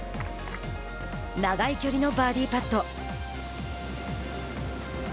長い距離のバーディーパット。